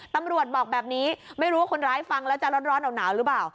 ตำรวจบอกแบบนี้ไม่รู้ว่าคนร้ายฟังแล้วจะร้อนหนาวหรือเปล่า